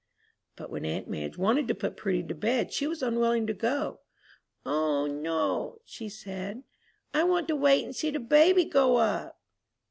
But when aunt Madge wanted to put Prudy to bed she was unwilling to go. "O, no," said she, "I want to wait and see the baby go up!"